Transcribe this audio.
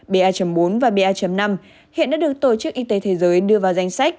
ba bốn và ba năm hiện đã được tổ chức y tế thế giới đưa vào danh sách